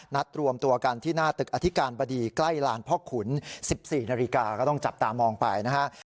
นัดรวมตัวกันที่หน้าตึกอธิการบดีใกล้ลานพ่อขุน๑๔นาฬิกาก็ต้องจับตามองไปนะครับ